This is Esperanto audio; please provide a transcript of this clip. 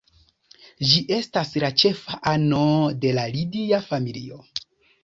Ĝi estas la ĉefa ano de la Lidia familio.